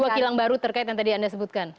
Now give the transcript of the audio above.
jadi dua kilang baru terkait yang tadi anda sebutkan